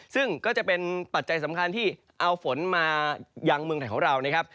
ซึ่งก็จะเป็นปัจจัยสำคัญที่เอาฝนมายังเมืองไทยของเรานะครับ